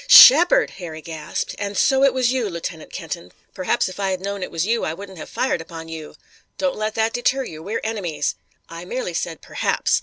"Shepard!" Harry gasped. "And so it was you, Lieutenant Kenton. Perhaps if I had known it was you I wouldn't have fired upon you." "Don't let that deter you. We're enemies." "I merely said 'perhaps!'